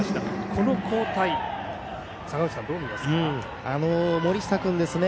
この交代を坂口さん、どう見ますか。